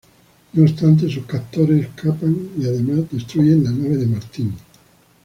No obstante, sus captores escapan y además destruyen la nave de Martín.